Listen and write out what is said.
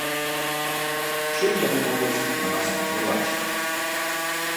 Чым яны могуць на нас уплываць?